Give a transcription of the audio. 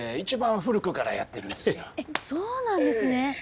そうなんですね！